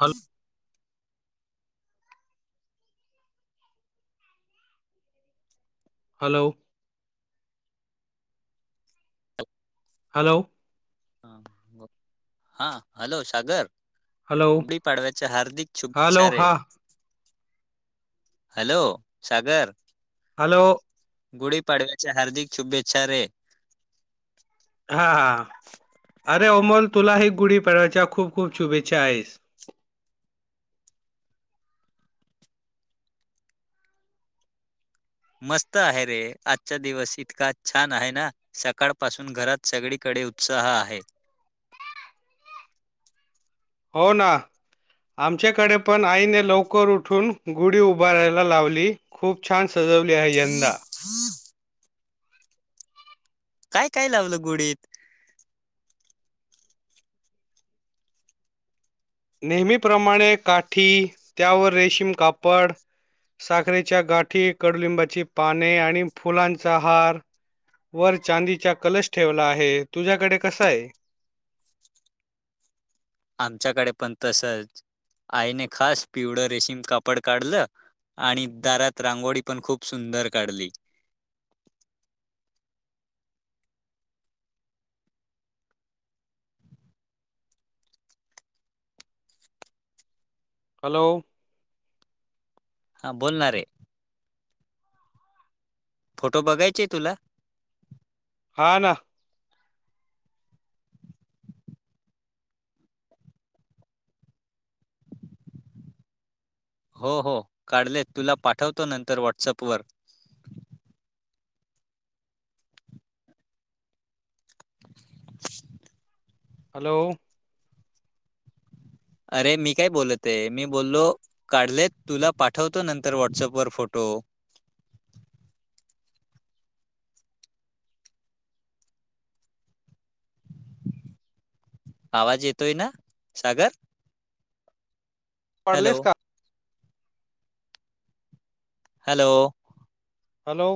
Hello hello! Hello! हा hello Sagar hello डी पाडव्याच्या हार्दिक हॅलो शुभेच्छा रे हा हॅलो सागर हॅलो! गुढी पाडव्याचे हार्दिक शुभेच्छा रे. हा हा,, अरे अमोल तुला ही गुढी पडव्याच्या खूप खूप शुभेच्छा आहेस. मस्त आहे रे, आजचा दिवस इतका छान आहे ना सकाळपासून घरात सगळीकडे उत्साह आहे. हो ना. आमच्याकडे पण आईने लवकर उठून गुढी उभारायला लावली खूप छान सजवली आहे यंदा. संअअअ.... काय काय लावलं गुढीत? नेहमीप्रमाणे काठी, त्यावर रेशीम कापड साखरेच्या गाठी, कडुलिंबाची पाने, आणि फुलांचा हार वर चांदीचा कलश ठेवला आहे, तुझ्याकडे कसा आहे? आमच्याकडे पण तसंच,, आईने खास पिवळं रेशीम कापड काढलं आणि दारात रांगोळी पण खूप सुंदर काढली. हॅलो! हं बोलणा रे. फोटो बघायचेय तुला? हा ना. हो हो काढलेत, तुला पाठवतो नंतर व्हॉट्सअप वर. [inaudible] हॅलो! अरे मी काय बोलतहे, मी बोललो काढलेत, तुला पाठवतो नंतर व्हॉट्सअपवर फोटो. आवाज येतोय ना, सागर. पाडलेस हॅलो का हॅलो हॅलो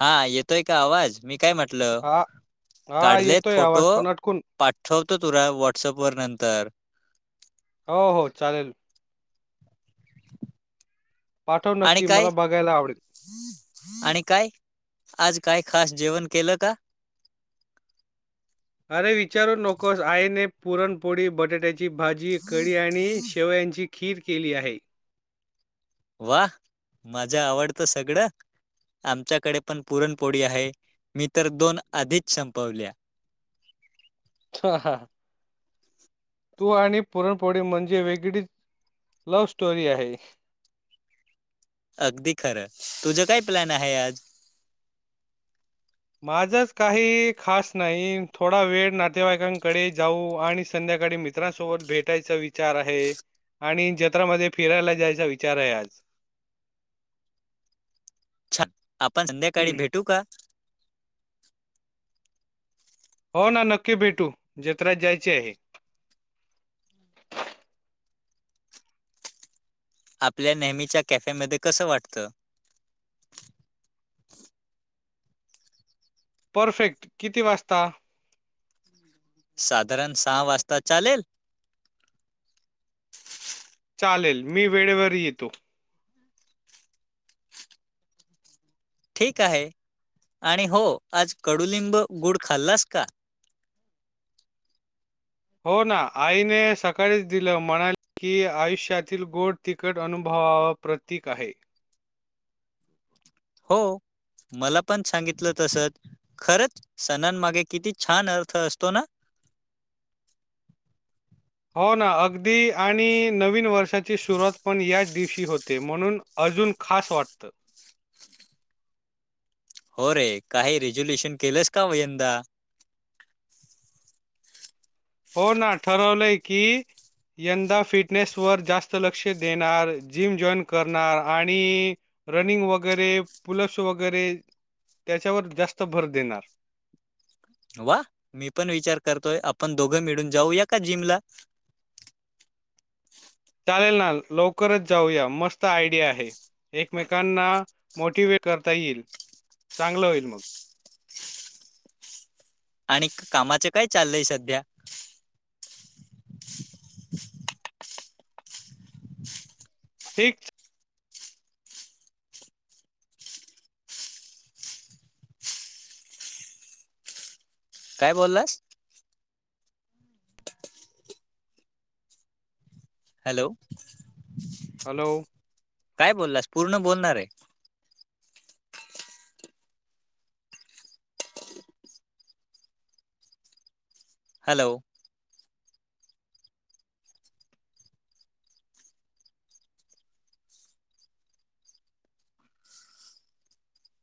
हा येतोय का आवाज मी काय म्हटल हा हा काढलेत येतोय फोटो. आवाज पण अटकून पाठवतो तुरा व्हॉट्सअप वर नंतर. हो हो चालेल. पाठव आणि नक्की काय मला बघायला आवडेल. आणि काय आज काय खास जेवण केल का? अरे विचारू नकोस आईने पुरणपोळी बटाट्या ची भाजी कडी आणि शेवयांची खीर केली आहे. वा माझ्या आवडत सगळ. आमच्याकडे पण पुरणपोळी आहे मी तर दोन आधीच संपवल्या. स्वाहा तू आणि पुरणपोळी म्हणजे वेगळीच लव्ह स्टोरी आहे. अगदी खर तुझ काय प्लॅन आहे आज. माझच काही खास नाही थोडा वेळ नातेवाईकांकडे जाऊ आणि संध्याकाळी मित्रांसोबत भेटायचा विचार आहे. आणि जत्रामध्ये फिरायला जायचा विचार आहे आज. छान आपण संध्याकाळी भेटू का? हो ना नक्की भेटू जत्रात जायचे आहे. आपल्या नेहमीच्या कॅफेमध्ये कस वाटत? परफेक्ट किती वाजता? साधारण सहा वाजता चालेल? चालेल मी वेळेवर येतो. ठीक आहे आणि हो आज कडुलिंब आणि गुड खाल्लास का? हो ना आईने सकाळीच दिल म्हणाली की आयुष्यातील गोड तिकट अनुभव प्रतीक आहे. हो. मला पण सांगितल होत भर खरच सणांमागे किती छान अर्थ असतो ना. हो ना अगदी आणि नवीन वर्षाची सुरुवात पण याच दिवशी होत. ते म्हणून वाटत. हो रे काही रेजोल्युशन केलस का व यंदा हो ना ठरवलय की यंदा फिटनेस वर जास्त लक्ष देणार जिम जॉईन करणार आणि रनिंग वगैरे पुल्स वगैरे त्याच्यावर जास्त भर देणार वा मी पण विचार करतोय आपण दोघ मिळून जाऊया का जिमला. चालेल ना लवकरच जाऊया मस्त आयडिया आहे. एकमेकांना मोटिवेट करता येईल चांगलं होईल मग. आणि कामाच काय चाललय सध्या? [unintelligible] ठीक. काय बोललास? हॅलो. हॅलो. काय बोललास पूर्ण बोलणारे. हॅलो.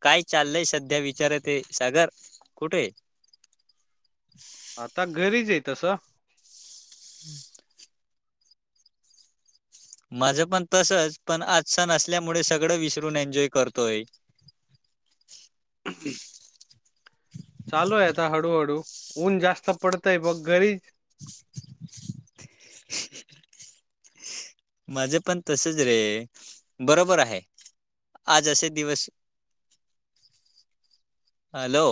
काय चाललय सध्या विचारत? सागर. कुठे हाय? आता घरीच आहे तसं. हम्म. माझं पण तसच पण आज सण असल्यामुळे सगळं विसरून एन्जॉय करतोय. चालू आहे आता हळूहळू. ऊन जास्त पडतय बघ घरीच माझं पण तसच रे. बरोबर आहे. आज असे दिवस हॅलो.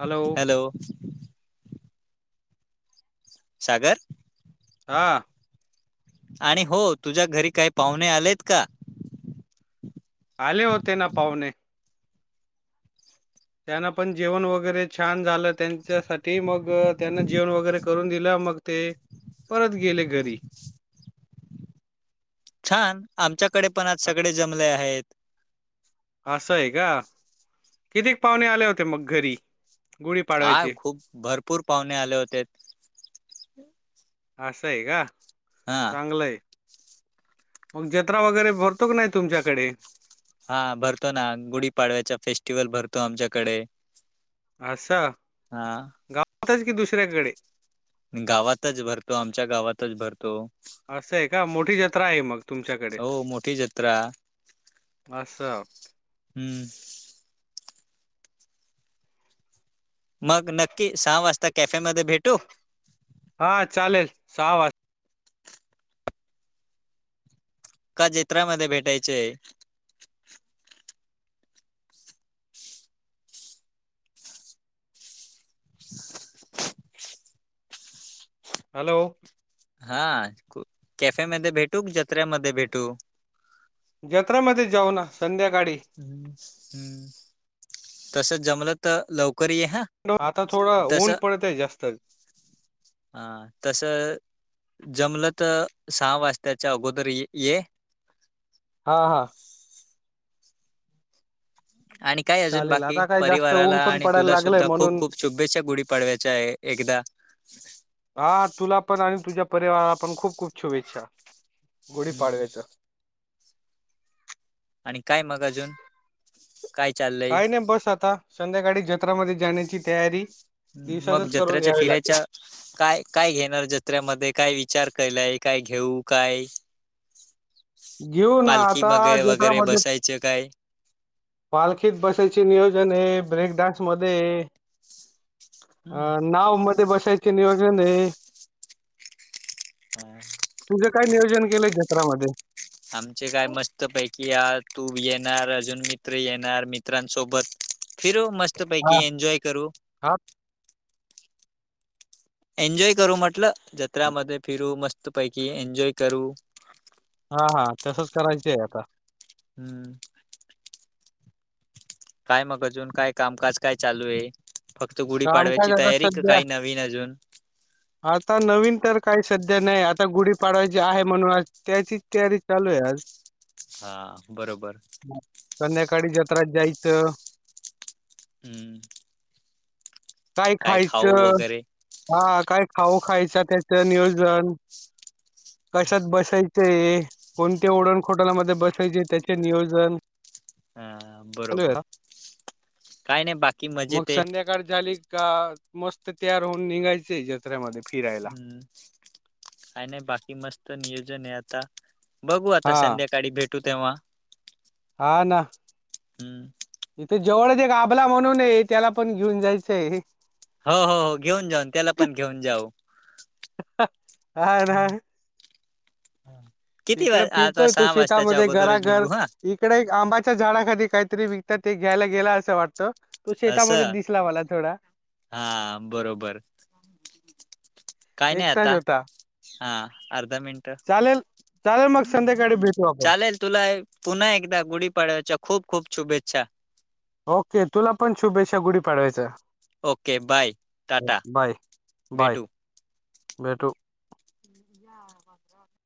हॅलो. हॅलो. सागर. हा. आणि हो. तुझ्या घरी काय पाहुणे आलेत का? आले होते ना पाहुणे. त्यांना पण जेवण वगैरे छान झालं. त्यांच्यासाठी मग त्यांना जेवण वगैरे करून दिला. मग ते परत गेले घरी. छान. आमच्याकडे पण आज अ- सगळे जमले आहेत. असं आहे का कितीक पाहुणे आले होते मग घरी? हा गुढीपाडव्याचे खूप भरपूर पाहुणे आले होते. असं आहे का, हां, चांगलं आहे. मग जत्रा वगैरे भरतो का नाही तुमच्याकडे? हा भरतो ना. गुढीपाडव्याचा फेस्टिवल भरतो आमच्याकडे. अस. हा. गावातच की दुसऱ्याकडे? गावातच भरतो. आमच्या गावातच भरतो. मग असं आहे का. मोठी जत्रा आहे मग तुमच्याकडे. हो मोठी जत्रा. हम्म. मग नक्की सहा वाजता कॅफेमध्ये भेटू. हा चालेल. सहा वाज का जत्रा मध्ये भेटायचंय. [unintelligible] हॅलो. हा. कॅफे मध्ये भेटू? की, जत्र्यामध्ये भेटू? जत्रेमध्ये जाऊ ना संध्याकाळी. हम हम, तस जमलं तर लवकर ये हा. आता थोडा ऊन तसं पडत आहे जास्त. हा. तस जमलं तर, सहा वाजताच्या अगोदर ये. हा हा. आणि काय अजून चालेल बाकी आता काय जास्त परिवाराला ऊन पण आणि पडायला तुला लागलंय सुद्धा खूप म्हणून खूप शुभेच्छा गुढीपाडव्याच्या एकदा. हा तुला पण आणि तुझ्या परिवाराला पण खूप खूप शुभेच्छा हम्म. गुढीपाडव्याच्या. आणि काय मग अजून? काय चाल काही नाही बस आता. संध्याकाळी जत्रामध्ये जाण्याची तयारी. मग दिवसातच करून जत्रेच्या घ्यावी फिरायच. लागेल काय काय घेणार जत्रेमध्ये? काय विचार केलाय, काय घेऊ काय? [inaudible] घेऊ ना पालखी आता मगे जत्रा वगैरे मध्ये. बसायचं काय पालखीत बसायचे नियोजन ब्रेक डान्स मध्ये अ हम्म. नाव मध्ये बसायचे नियोजन आहे. [inaudible] तुझे काय नियोजन केलंय जत्रा मध्ये. आमचे काय मस्त पैकी आज तू येणार अजून मित्र येणार मित्रांसोबत फिरू मस्त मस्त हा पैकी एन्जॉय करू. हा एन्जॉय करू म्हटलं जत्रामध्ये फिरू मस्त पैकी एन्जॉय करू. हा हा तसंच करायच आहे आता. हम्म. काय मग अजून काय कामकाज काय चालू आहे. फक्त गुढी काम पाडव्याची काय आता तयारी क सध्या काही नवीन अजून. आता नवीन तर काही सध्या नाही आता गुढी पाडवायची आहे म्हणून आज त्याचीच तयारी चालू आहे आज. हा बरोबर. संध्याकाळी जत्रेत जायचं. हम्म. काय खायच खाऊ वगैरे हा काय खाऊ खायच त्याच नियोजन. कशात बसायचे कोणत्या ओडण खोटलामध्ये बसायचे त्याचे नियोजन. हा चालू बरोबर आहे काय नाही बाकी. मग मजेत आहे संध्याकाळ झाली का मस्त तयार होऊन निघायचय जत्रेमध्ये फिरायला. हम्म काय नाही बाकी मस्त नियोजन आहे आता बघू आता हा संध्याकाळी भेट तो तेव्हा. हा ना. हम्म. इथे जवळच एक आभला म्हणून आहे त्याला पण घेऊन जायचं आहे. हो हो हो घेऊन जाऊन त्याला पण घेऊन जाऊ. [unintelligible] किती इकडे वाजता आता फिरतोय तो सहा वाजताच्या शेतामध्ये अगोदरज निघू घराघर हा. इकडे एक आंबाच्या झाडाखाली काहीतरी विकतात ते घ्यायला गेला असं वाटतं. तु शेतामध्ये दिसला मला थोडा हां हां बरोबर. काही नाही एकटाच आता, होता हां अर्धा मिनिट चाललं मगं संध्याकाळी भेटू आप लेल तुला एक पुन्हा एकदा गुढीपाडव्याच्या खूप खूप शुभेच्छा! ओके, तुला पण शुभेच्छा गुढी पाडव्याच्या. ओके, बाय, टाटा, बाय भेटु भेटू या बाबां. [inaudible]